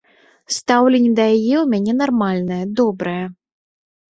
Стаўленне да яе ў мяне нармальнае, добрае.